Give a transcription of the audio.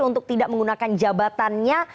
untuk tidak menggunakan jabatannya